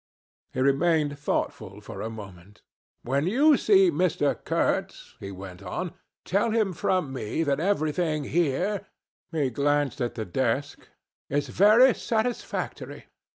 He remained thoughtful for a moment. 'When you see Mr. Kurtz,' he went on, 'tell him from me that everything here' he glanced at the desk 'is very satisfactory.